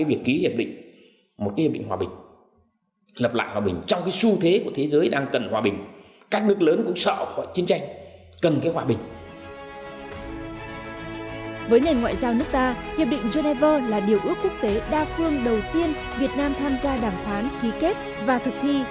với nền ngoại giao nước ta hiệp định geneva là điều ước quốc tế đa phương đầu tiên việt nam tham gia đàm phán ký kết và thực thi